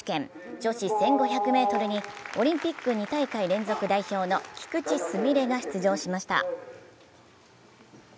女子１５００ｍにオリンピック２大会連続優勝の菊池純礼が出場しました。